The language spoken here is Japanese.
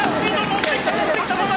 乗ってきた！